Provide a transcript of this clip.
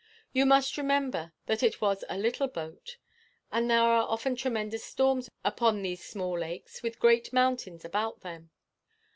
You must remember that it was a little boat; and there are often tremendous storms upon these small lakes with great mountains about them.